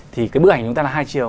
thì cái bức ảnh chúng ta là hai chiều